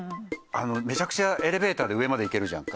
めちゃくちゃエレベーターで上まで行けるじゃんか。